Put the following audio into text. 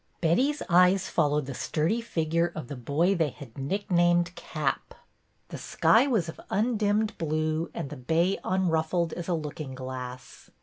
Betty's eyes followed the sturdy figure of the boy they had nicknamed " Cap." The sky was of undimmed blue and the bay unruffled as a looking glass.